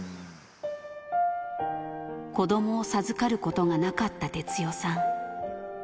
子どもを授かることがなかった哲代さん。